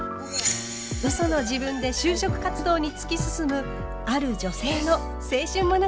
嘘の自分で就職活動に突き進むある女性の青春物語。